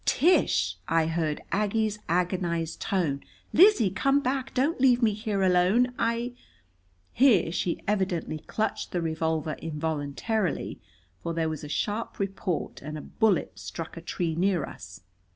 "Tish!" I heard Aggie's agonized tone. "Lizzie! Come back. Don't leave me here alone. I " Here she evidently clutched the revolver involuntarily, for there was a sharp report, and a bullet struck a tree near us.